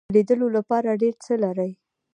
د لیدلو لپاره ډیر څه لري.